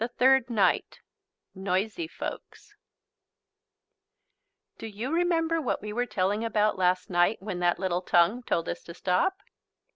THIRD NIGHT NOISY FOLKS Do you remember what we were telling about last night when that little tongue told us to stop?